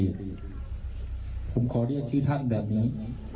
ผมขอเรียกชื่อท่านแบบนี้